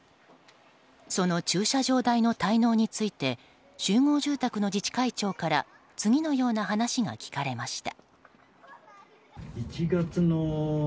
その駐車場代の滞納について集合住宅の自治会長から次のような話が聞かれました。